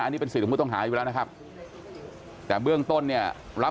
อันนี้เป็นสื่อของผู้ต้องหาอยู่แล้วนะครับแต่เบื้องต้นเนี่ย